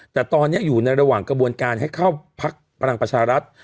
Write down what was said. แต่ตอนนี้อยู่ในระหว่างกระบวนการให้เข้าพักพลังประชารัฐ